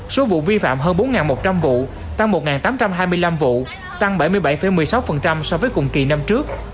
số vụ vi phạm hơn bốn một trăm linh vụ tăng một tám trăm hai mươi năm vụ tăng bảy mươi bảy một mươi sáu so với cùng kỳ năm trước